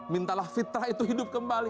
mintalah fitrah itu hidup kembali